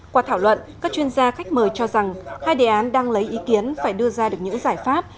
qua thảo luận các chuyên gia khách mời cho rằng hai đề án đang lấy ý kiến phải đưa ra được những giải pháp